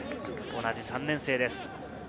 同じ３年生です。